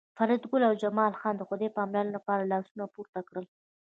فریدګل او جمال خان د خدای پامانۍ لپاره لاسونه پورته کړل